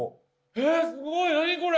えっすごい何これ？